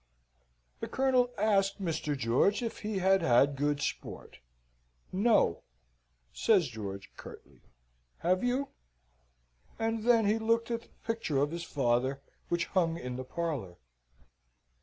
The Colonel asked Mr. George if he had had good sport? "No," says George, curtly. "Have you?" And then he looked at the picture of his father, which hung in the parlour.